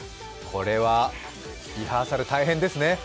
これはリハーサル大変ですね。